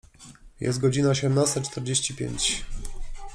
Jest godzina osiemnasta czterdzieści pięć.